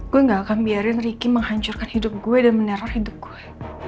gue gak akan biarin ricky menghancurkan hidup gue dan meneror hidupku